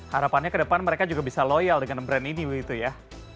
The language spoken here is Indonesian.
harapannya ke depan mereka juga bisa loyal dengan brand ini begitu ya